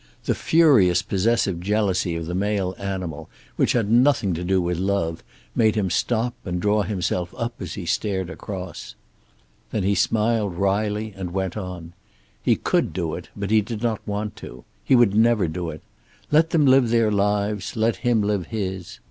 The furious possessive jealousy of the male animal, which had nothing to do with love, made him stop and draw himself up as he stared across. Then he smiled wryly and went on. He could do it, but he did not want to. He would never do it. Let them live their lives, and let him live his.